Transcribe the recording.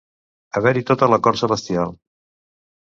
Haver-hi tota la cort celestial.